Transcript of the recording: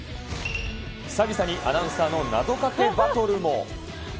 久々にアナウンサーの謎かけバトルも。